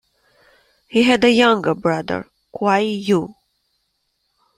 He had a younger brother, Kuai Yue.